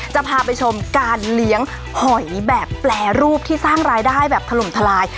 จะพาไปชมการเลี้ยงหอยแบบแปรรูปที่สร้างรายได้แบบถล่มทลาย